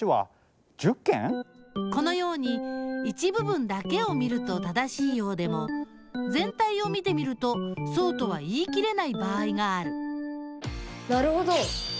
このように一部分だけを見ると正しいようでもぜん体を見てみるとそうとは言い切れない場合があるなるほど！